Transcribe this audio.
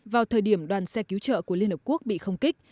vào thời điểm đoàn xe cứu trợ của liên hợp quốc bị không kích